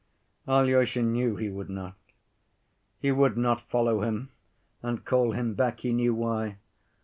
Alyosha knew he would not. He would not follow him and call him back, he knew why.